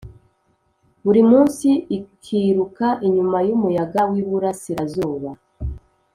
buri munsi ikiruka inyuma y’umuyaga w’iburasirazuba,